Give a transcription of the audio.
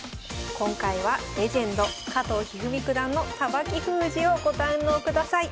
今回はレジェンド加藤一二三九段のさばき封じをご堪能ください